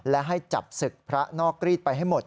และให้จับศึกพระนอกรีดไปให้หมด